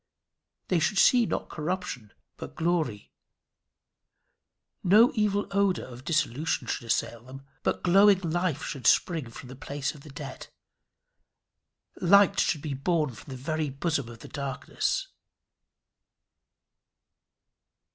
They should see not corruption but glory. No evil odour of dissolution should assail them, but glowing life should spring from the place of the dead; light should be born from the very bosom of the darkness.